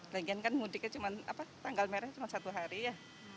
lagian kan mudiknya cuma tanggal merah cuma satu hari ya